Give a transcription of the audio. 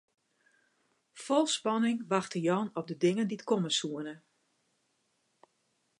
Fol spanning wachte Jan op de dingen dy't komme soene.